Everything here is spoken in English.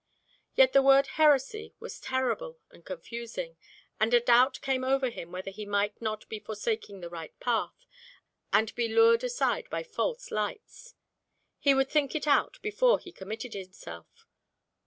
Yet the word heresy was terrible and confusing, and a doubt came over him whether he might not be forsaking the right path, and be lured aside by false lights. He would think it out before he committed himself.